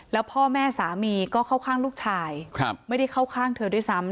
แล้วพ่อแม่สามีก็เข้าข้างลูกชายไม่ได้เข้าข้างเธอด้วยซ้ำ